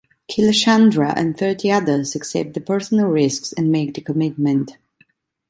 Killashandra and thirty others accept the personal risks and make the commitment.